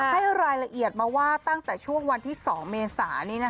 ให้รายละเอียดมาว่าตั้งแต่ช่วงวันที่๒เมษานี้